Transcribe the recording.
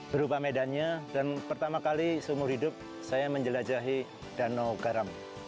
berupa medannya dan pertama kali seumur hidup saya menjelajahi danau garam